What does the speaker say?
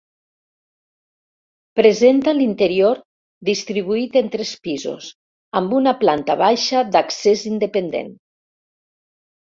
Presenta l'interior distribuït en tres pisos, amb una planta baixa d'accés independent.